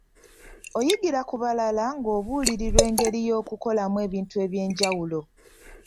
Oyigira ku balala ng'obulirirwa engeri y'okukolamu ebintu eby'enjawulo.